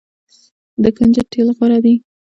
د کنجدو تیل غوره دي.